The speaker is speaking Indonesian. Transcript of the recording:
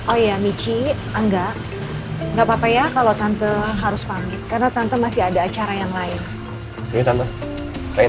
oh ya michi enggak enggak papa ya kalau tante harus pamit karena tante masih ada acara yang lain